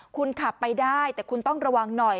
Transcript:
คุณขับไปได้แต่คุณต้องระวังหน่อย